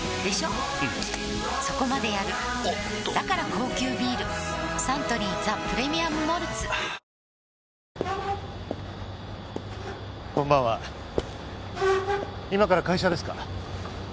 うんそこまでやるおっとだから高級ビールサントリー「ザ・プレミアム・モルツ」はぁーこんばんは今から会社ですか？